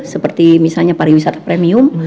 seperti misalnya pariwisata premium